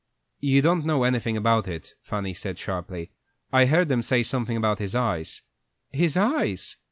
"You don't know anything about it," Fanny said, sharply. "I heard them say something about his eyes." "His eyes!"